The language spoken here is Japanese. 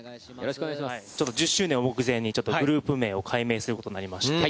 ちょっと１０周年を目前に、ちょっとグループ名を改名することになりまして。